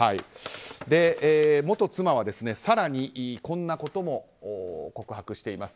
元妻は、更にこんなことも告白しています。